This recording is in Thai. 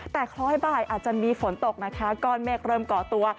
แต่คล้อยบ่ายอาจจะมีฝนตกนะคะก้อนเมฆเริ่มก่อตัว